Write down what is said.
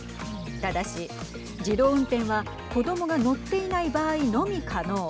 ただし、自動運転は子どもが乗っていない場合のみ可能。